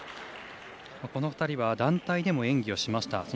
この２人は団体でも演技をしました。